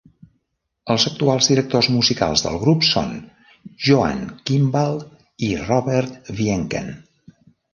Els actuals directors musicals del grup són Joan Kimball i Robert Wiemken.